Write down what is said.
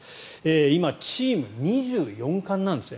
今、チーム２４冠なんですね。